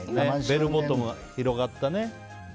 ベルボトム、広がったね。